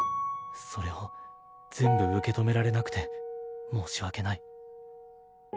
それを全部受け止められなくて申し訳ない。